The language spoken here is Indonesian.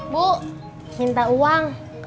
bu minta uang